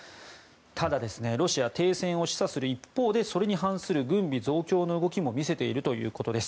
ただ、ロシア停戦を示唆する一方でそれに反する軍備増強の動きも見せているということです。